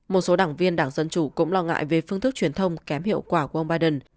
một số đảng viên đảng dân chủ cũng lo ngại về phương thức truyền thông kém hiệu quả của ông biden